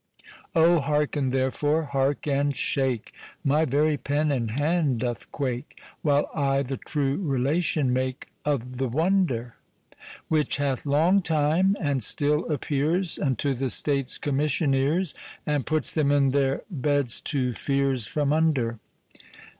O hearken, therefore, hark and shake! My very pen and hand doth quake! While I the true relation make O' th' wonder, Which hath long time, and still appeares Unto the State's Commissioners, And puts them in their beds to feares From under.